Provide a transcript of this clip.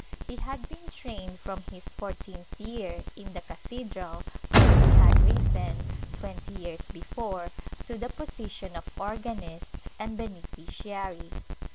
He had been trained, from his four teenth year, in the cathedral, where he had risen, twenty years before, to the position of organist and beneficiary.